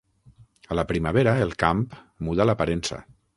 A la primavera el camp muda l'aparença.